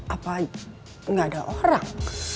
apa gak ada orang